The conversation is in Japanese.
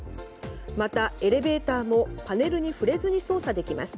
また、エレベーターもパネルに触れずに操作できます。